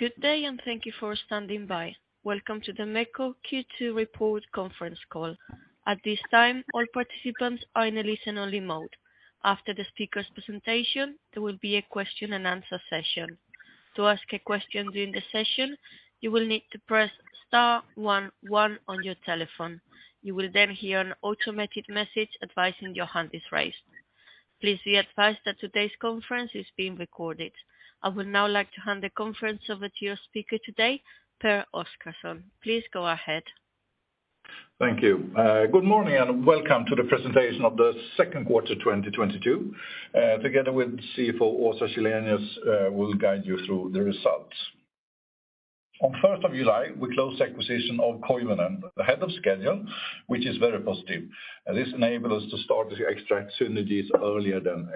Good day, and thank you for standing by. Welcome to the MEKO Q2 report conference call. At this time, all participants are in a listen-only mode. After the speaker's presentation, there will be a question and answer session. To ask a question during the session, you will need to press star one one on your telephone. You will then hear an automated message advising your hand is raised. Please be advised that today's conference is being recorded. I would now like to hand the conference over to your speaker today, Pehr Oscarson. Please go ahead. Thank you. Good morning, and welcome to the presentation of the Q2 2022. Together with CFO Åsa Källenius, we'll guide you through the results. On July 1, we closed the acquisition of Koivunen ahead of schedule, which is very positive, and this enable us to start to extract synergies earlier than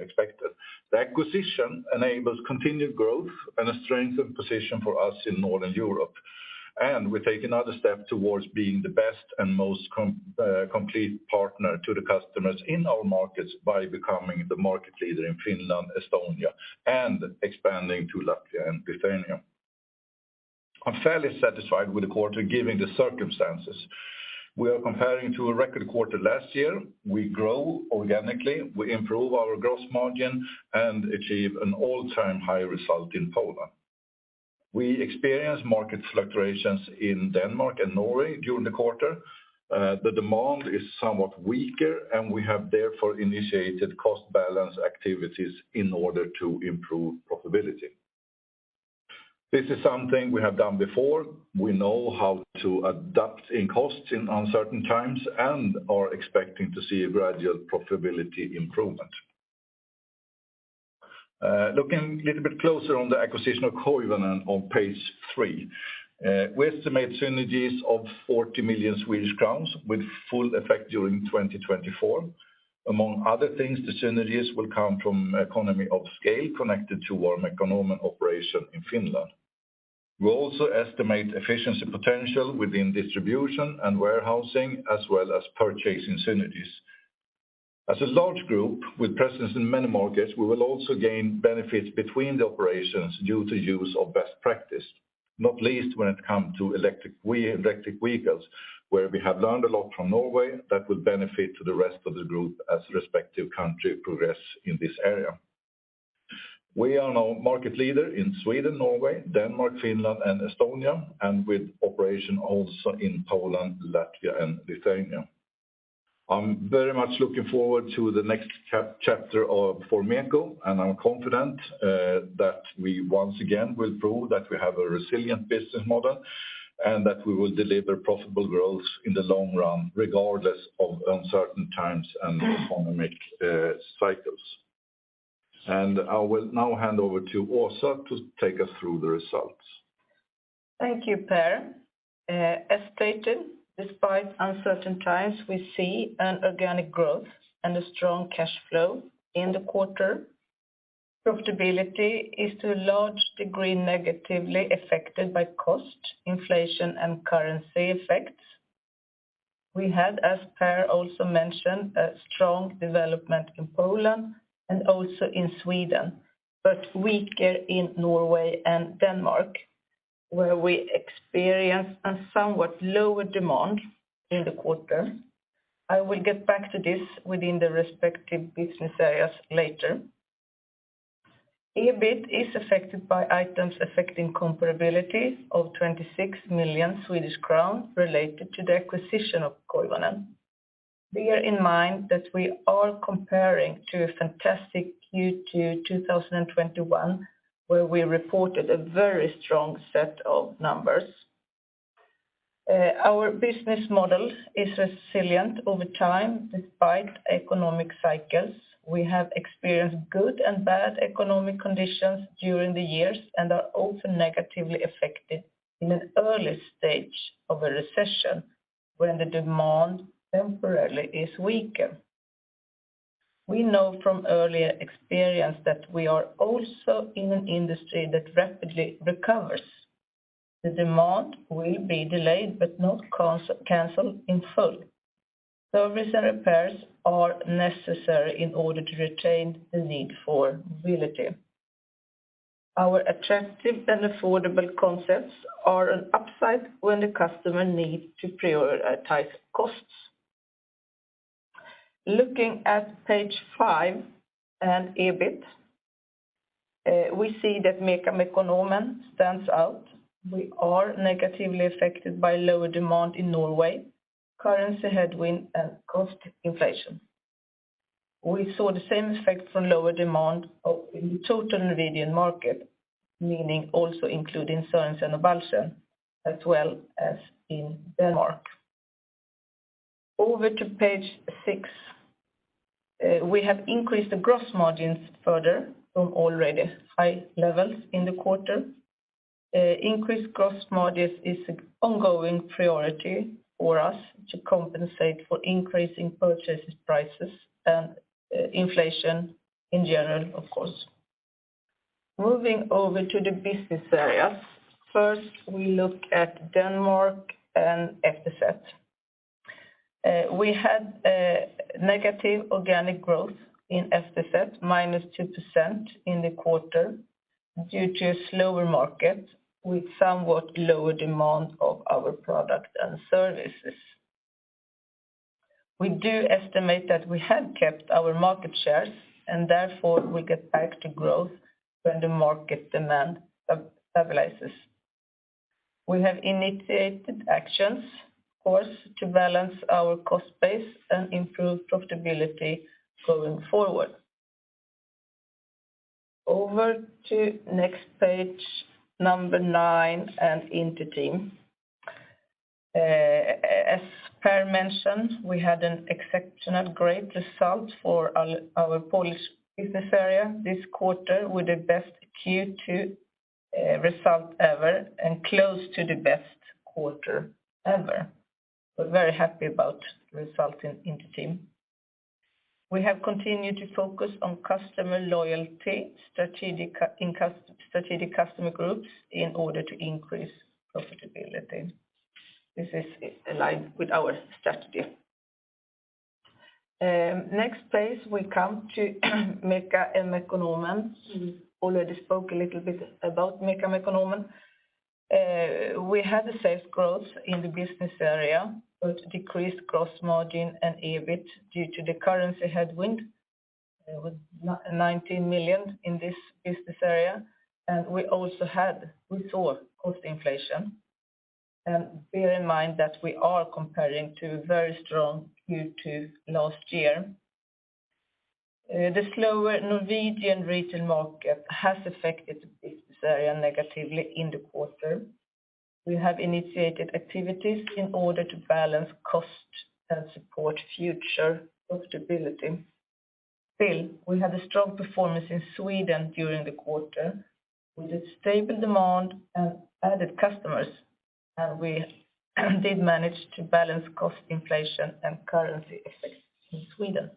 expected. The acquisition enables continued growth and a strengthened position for us in Northern Europe, and we take another step towards being the best and most complete partner to the customers in our markets by becoming the market leader in Finland, Estonia, and expanding to Latvia and Lithuania. I'm fairly satisfied with the quarter given the circumstances. We are comparing to a record quarter last year. We grow organically. We improve our gross margin and achieve an all-time high result in Poland. We experience market fluctuations in Denmark and Norway during the quarter. The demand is somewhat weaker, and we have therefore initiated cost balance activities in order to improve profitability. This is something we have done before. We know how to adapt in costs in uncertain times and are expecting to see a gradual profitability improvement. Looking a little bit closer on the acquisition of Koivunen on page three. We estimate synergies of 40 million Swedish crowns with full effect during 2024. Among other things, the synergies will come from economies of scale connected to our Mekonomen operation in Finland. We also estimate efficiency potential within distribution and warehousing, as well as purchasing synergies. As a large group with presence in many markets, we will also gain benefits between the operations due to use of best practice, not least when it come to electric vehicles, where we have learned a lot from Norway that will benefit to the rest of the group as respective country progress in this area. We are now market leader in Sweden, Norway, Denmark, Finland, and Estonia, and with operation also in Poland, Latvia, and Lithuania. I'm very much looking forward to the next chapter for MEKO, and I'm confident that we once again will prove that we have a resilient business model and that we will deliver profitable growth in the long run, regardless of uncertain times and economic cycles. I will now hand over to Åsa to take us through the results. Thank you, Pehr. As stated, despite uncertain times, we see an organic growth and a strong cash flow in the quarter. Profitability is to a large degree negatively affected by cost, inflation, and currency effects. We had, as Pehr also mentioned, a strong development in Poland and also in Sweden, but weaker in Norway and Denmark, where we experienced a somewhat lower demand in the quarter. I will get back to this within the respective business areas later. EBIT is affected by items affecting comparabilities of 26 million Swedish crown related to the acquisition of Koivunen. Bear in mind that we are comparing to a fantastic Q2 2021, where we reported a very strong set of numbers. Our business model is resilient over time despite economic cycles. We have experienced good and bad economic conditions during the years and are also negatively affected in an early stage of a recession when the demand temporarily is weaker. We know from earlier experience that we are also in an industry that rapidly recovers. The demand will be delayed but not canceled in full. Service and repairs are necessary in order to retain the need for mobility. Our attractive and affordable concepts are an upside when the customer need to prioritize costs. Looking at page five and EBIT, we see that Mekonomen stands out. We are negatively affected by lower demand in Norway, currency headwind, and cost inflation. We saw the same effect from lower demand in the total Norwegian market, meaning also including Sørensen og Balchen, as well as in Denmark. Over to page six, we have increased the gross margins further from already high levels in the quarter. Increased gross margins is an ongoing priority for us to compensate for increasing purchase prices and inflation in general, of course. Moving over to the business areas, first, we look at Denmark and FTZ. We had negative organic growth in FTZ, -2% in the quarter due to slower market with somewhat lower demand of our product and services. We do estimate that we have kept our market shares, and therefore, we get back to growth when the market demand stabilizes. We have initiated actions, of course, to balance our cost base and improve profitability going forward. Over to next page, number nine, and Inter-Team. As Pehr mentioned, we had an exceptional great result for our Polish business area this quarter with the best Q2 result ever and close to the best quarter ever. We're very happy about the result in Inter-Team. We have continued to focus on customer loyalty, strategic customer groups in order to increase profitability. This is in line with our strategy. Next page, we come to MECA and Mekonomen. Already spoke a little bit about MECA and Mekonomen. We had a solid growth in the business area, but decreased gross margin and EBIT due to the currency headwind. It was 19 million in this business area, and we also had resource cost inflation. Bear in mind that we are comparing to very strong Q2 last year. The slower Norwegian retail market has affected the business area negatively in the quarter. We have initiated activities in order to balance cost and support future profitability. Still, we had a strong performance in Sweden during the quarter with a stable demand and added customers, and we did manage to balance cost inflation and currency effects in Sweden.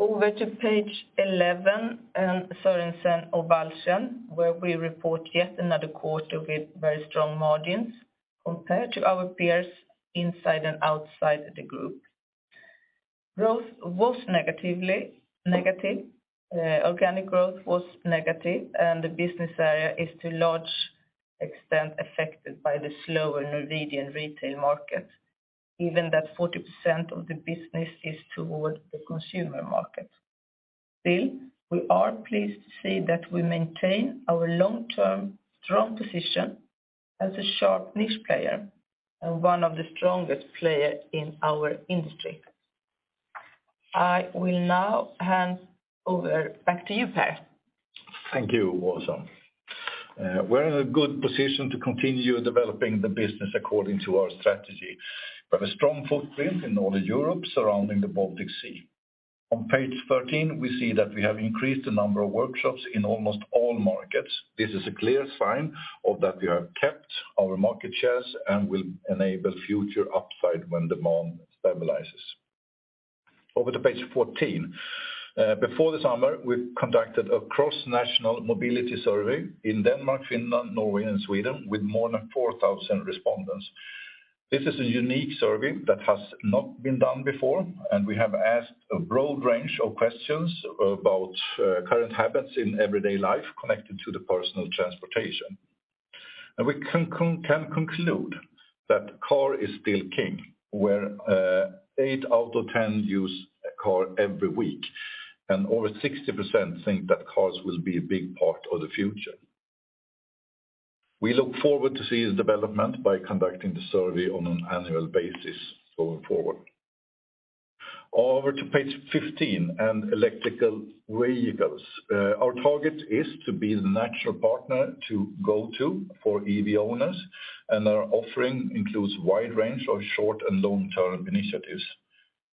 Over to page 11, and Sørensen og Balchen, where we report yet another quarter with very strong margins compared to our peers inside and outside the group. Growth was negative. Organic growth was negative, and the business area is to large extent affected by the slower Norwegian retail market, even though 40% of the business is toward the consumer market. Still, we are pleased to see that we maintain our long-term strong position as a sharp niche player and one of the strongest player in our industry. I will now hand over back to you, Pehr. Thank you, Åsa. We're in a good position to continue developing the business according to our strategy. We have a strong footprint in Northern Europe surrounding the Baltic Sea. On page 13, we see that we have increased the number of workshops in almost all markets. This is a clear sign that we have kept our market shares and will enable future upside when demand stabilizes. Over to page 14. Before the summer, we conducted a cross-national mobility survey in Denmark, Finland, Norway, and Sweden with more than 4,000 respondents. This is a unique survey that has not been done before, and we have asked a broad range of questions about current habits in everyday life connected to the personal transportation. We can conclude that car is still king, where eight out of ten use a car every week, and over 60% think that cars will be a big part of the future. We look forward to see its development by conducting the survey on an annual basis going forward. Over to page 15 and electric vehicles. Our target is to be the natural partner to go to for EV owners, and our offering includes wide range of short- and long-term initiatives.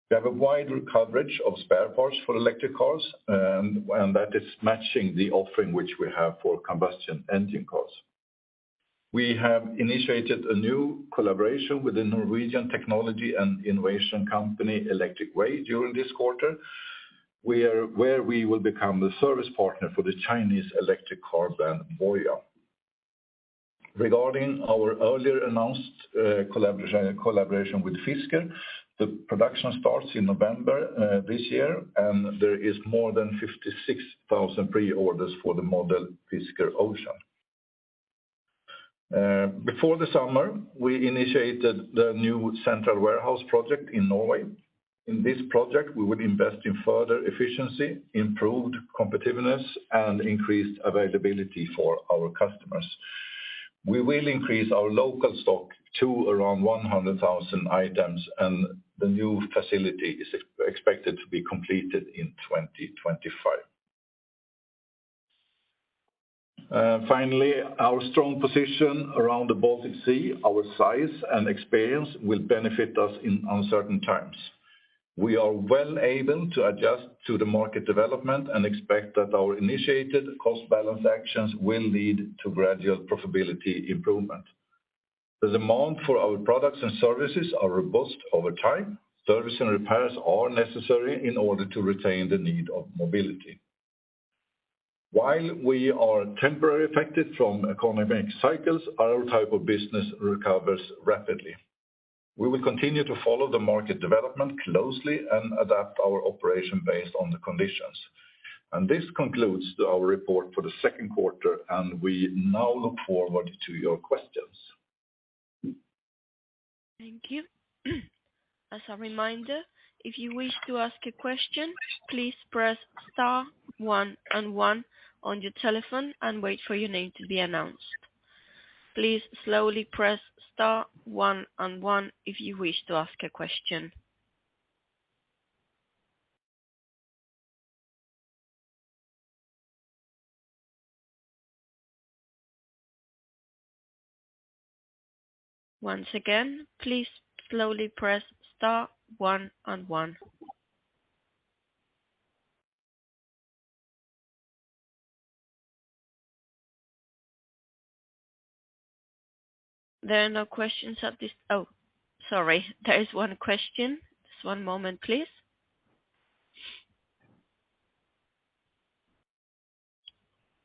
We have a wide coverage of spare parts for electric cars, and that is matching the offering which we have for combustion engine cars. We have initiated a new collaboration with the Norwegian technology and innovation company Electric Way during this quarter, where we will become the service partner for the Chinese electric car brand Voyah. Regarding our earlier announced collaboration with Fisker, the production starts in November this year, and there is more than 56,000 pre-orders for the model Fisker Ocean. Before the summer, we initiated the new central warehouse project in Norway. In this project, we will invest in further efficiency, improved competitiveness, and increased availability for our customers. We will increase our local stock to around 100,000 items, and the new facility is expected to be completed in 2025. Finally, our strong position around the Baltic Sea, our size and experience will benefit us in uncertain times. We are well able to adjust to the market development and expect that our initiated cost balance actions will lead to gradual profitability improvement. The demand for our products and services are robust over time. Service and repairs are necessary in order to retain the need of mobility. While we are temporarily affected from economic cycles, our type of business recovers rapidly. We will continue to follow the market development closely and adapt our operation based on the conditions. This concludes our report for the second quarter, and we now look forward to your questions. Thank you. As a reminder, if you wish to ask a question, please press star one and one on your telephone and wait for your name to be announced. Please slowly press star one and one if you wish to ask a question. Once again, please slowly press star one and one. There is one question. Just one moment, please.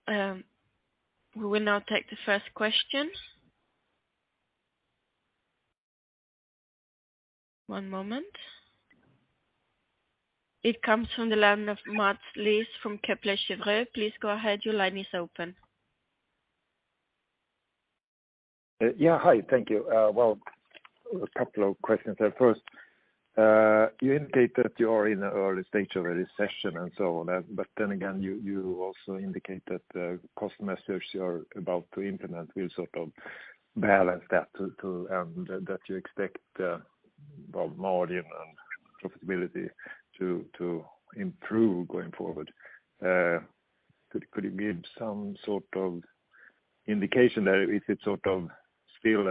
We will now take the first question. One moment. It comes from the line of Mats Liss from Kepler Cheuvreux. Please go ahead. Your line is open. Yeah. Hi. Thank you. Well, a couple of questions there. First, you indicate that you are in the early stage of a recession and so on. Then again, you also indicate that cost measures you are about to implement will sort of balance that. You expect well margin and profitability to improve going forward. Could you give some sort of indication there? Is it sort of still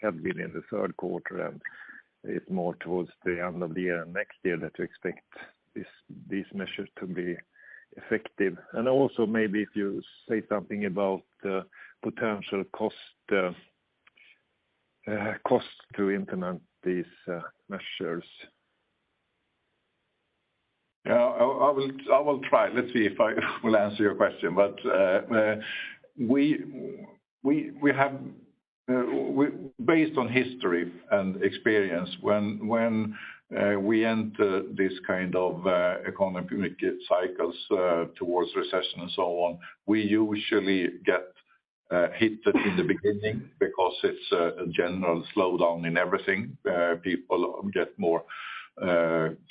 happening in the third quarter, and it is more towards the end of the year and next year that you expect these measures to be effective? Also, maybe if you say something about the potential cost to implement these measures. Yeah. I will try. Let's see if I will answer your question. We have based on history and experience, when we enter this kind of economic cycles towards recession and so on, we usually get hit in the beginning because it's a general slowdown in everything. People get more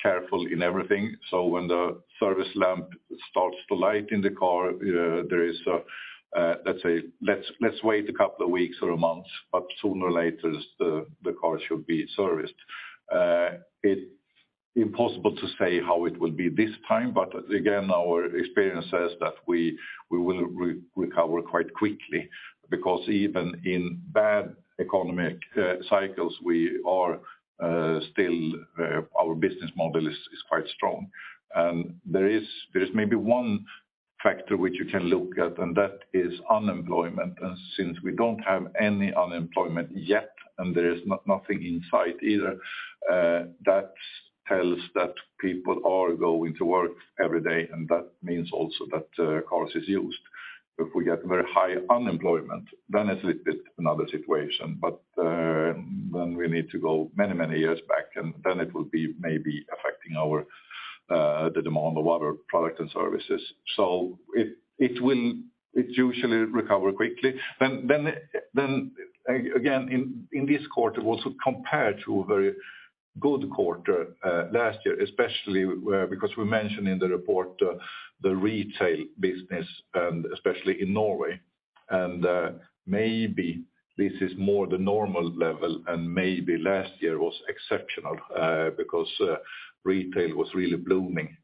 careful in everything. When the service lamp starts to light in the car, there is, let's say, let's wait a couple of weeks or a month, but sooner or later the car should be serviced. It's impossible to say how it will be this time, but again, our experience says that we will recover quite quickly because even in bad economic cycles, we are still our business model is quite strong. There is maybe one factor which you can look at, and that is unemployment. Since we don't have any unemployment yet, and there is nothing in sight either, that tells that people are going to work every day, and that means also that cars is used. If we get very high unemployment, then it's a bit another situation. Then we need to go many years back, and then it will be maybe affecting our the demand of our product and services. It will usually recover quickly. Again, in this quarter, also compared to a very good quarter last year, especially because we mentioned in the report the retail business, and especially in Norway. Maybe this is more the normal level, and maybe last year was exceptional because retail was really blooming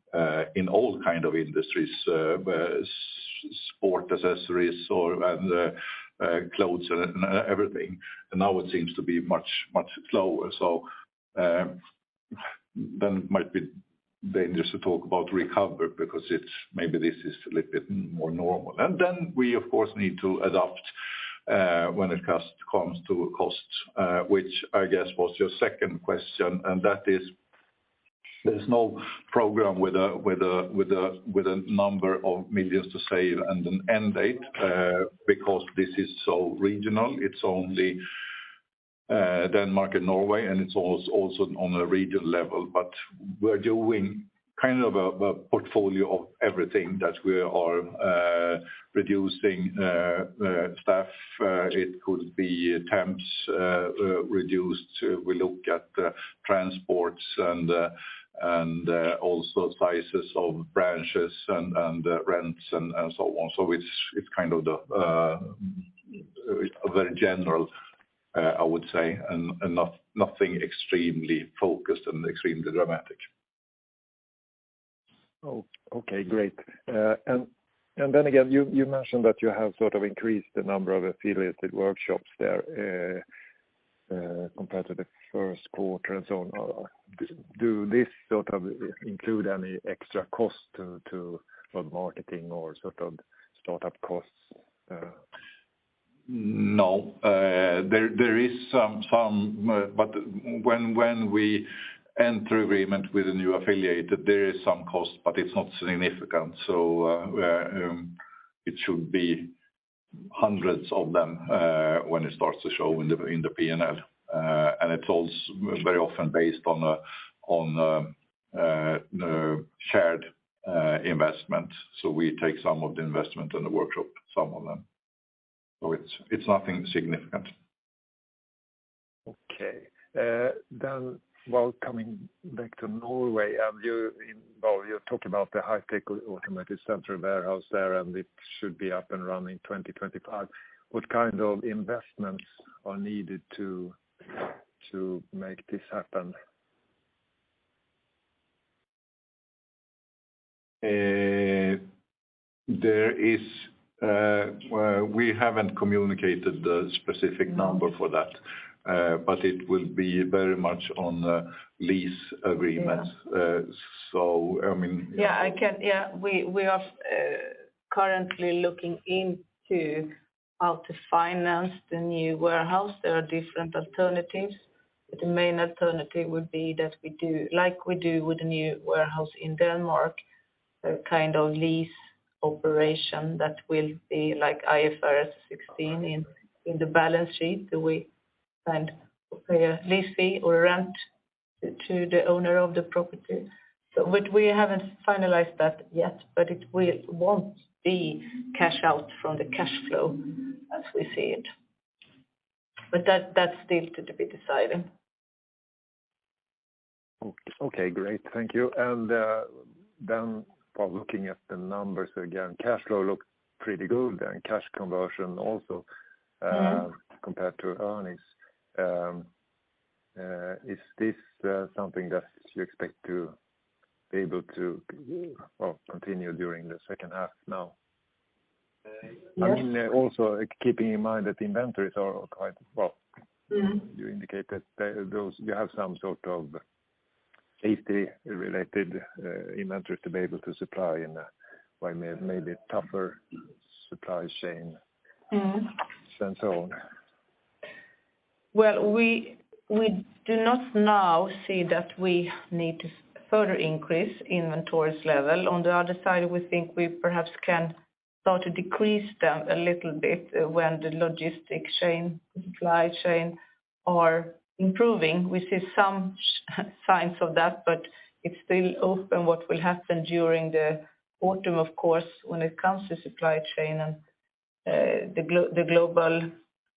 in all kind of industries, sport accessories or clothes and everything. Now it seems to be much slower. It might be dangerous to talk about recovery because it's maybe this is a little bit more normal. We of course need to adapt when it comes to costs, which I guess was your second question. That is, there's no program with a number of millions to save and an end date because this is so regional. It's only Denmark and Norway, and it's also on a regional level. We're doing kind of a portfolio of everything that we are reducing staff. It could be temps reduced. We look at transports and also sizes of branches and rents and so on. It's kind of a very general, I would say, nothing extremely focused and extremely dramatic. Oh, okay. Great. Then again, you mentioned that you have sort of increased the number of affiliated workshops there, compared to the first quarter and so on. Do this sort of include any extra cost to for marketing or sort of startup costs? No. There is some, but when we enter agreement with a new affiliate, there is some cost, but it's not significant. It should be hundreds of them when it starts to show in the P&L. It holds very often based on the shared investment. We take some of the investment in the workshop, some of them. It's nothing significant. Okay. While coming back to Norway, you know, you talk about the high-tech automated central warehouse there, and it should be up and running 2025. What kind of investments are needed to make this happen? There is, well, we haven't communicated the specific number for that, but it will be very much on a lease agreement. Yeah. I mean. Yeah, we are currently looking into how to finance the new warehouse. There are different alternatives, but the main alternative would be that we do, like we do with the new warehouse in Denmark, a kind of lease operation that will be like IFRS 16 in the balance sheet. We find a lessee or rent to the owner of the property. We haven't finalized that yet, but it won't be cash out from the cash flow as we see it. That's still to be decided. Okay, great. Thank you. While looking at the numbers again, cash flow looked pretty good, and cash conversion also. Mm-hmm... compared to earnings. Is this something that you expect to be able to, well, continue during the second half now? Yes. I mean, also keeping in mind that inventories are quite well. Mm-hmm. You indicate that you have some sort of H3-related inventory to be able to supply in a way may be tougher supply chain. Mm-hmm. On. Well, we do not now see that we need to further increase inventories level. On the other side, we think we perhaps can start to decrease them a little bit when the logistic chain, supply chain are improving. We see some signs of that, but it's still open what will happen during the autumn, of course, when it comes to supply chain and the global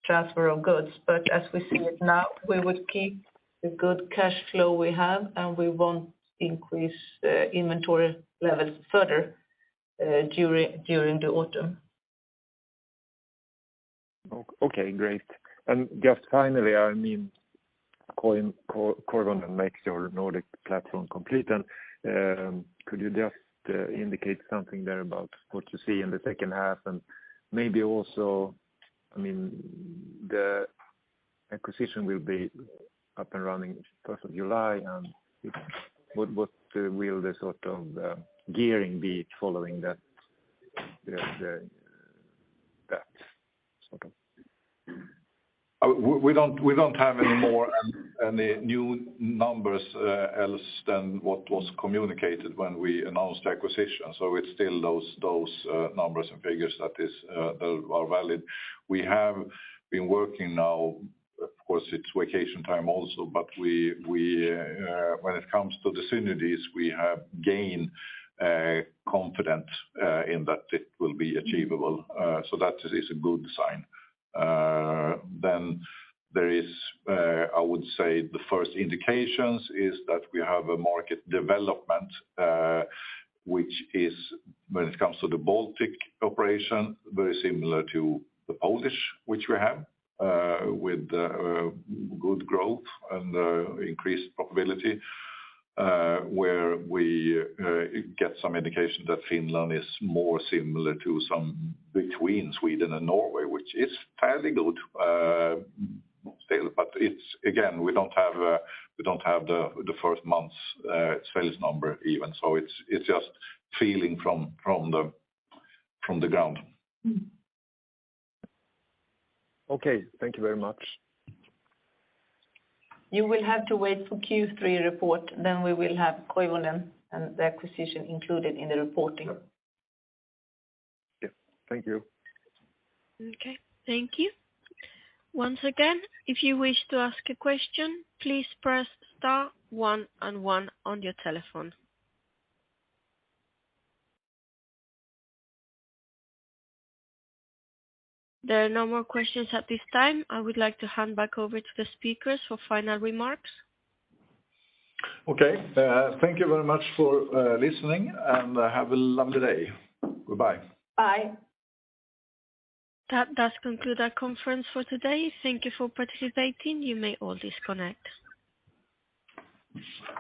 transfer of goods. As we see it now, we would keep the good cash flow we have, and we won't increase the inventory levels further during the autumn. Okay, great. Just finally, I mean, calling Koivunen and makes your Nordic platform complete. Could you just indicate something there about what you see in the second half? Maybe also, I mean, the acquisition will be up and running first of July, and what will the sort of gearing be following that sort of? We don't have any more new numbers else than what was communicated when we announced the acquisition. It's still those numbers and figures that are valid. We have been working now, of course, it's vacation time also, but we when it comes to the synergies, we have gained confidence in that it will be achievable. That is a good sign. There is, I would say the first indications is that we have a market development, which is when it comes to the Baltic operation, very similar to the Polish, which we have with good growth and increased profitability, where we get some indication that Finland is more similar to somewhat between Sweden and Norway, which is fairly good still. It's again, we don't have the first month's sales number even. It's just feeling from the ground. Okay, thank you very much. You will have to wait for Q3 report, then we will have Koivunen and the acquisition included in the reporting. Yeah. Thank you. Okay, thank you. Once again, if you wish to ask a question, please press star one and one on your telephone. There are no more questions at this time. I would like to hand back over to the speakers for final remarks. Okay. Thank you very much for listening, and have a lovely day. Goodbye. Bye. That does conclude our conference for today. Thank you for participating. You may all disconnect.